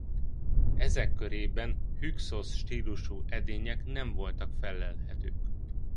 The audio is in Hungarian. Ezek körében hükszosz stílusú edények nem voltak fellelhetők.